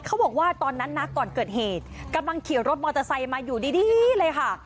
เขาบอกว่าตอนนั้นนะก่อนเกิดเหตุกำลังขี่รถมอเตอร์ไซค์มาอยู่ดีเลยค่ะ